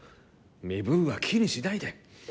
身分は気にしないで。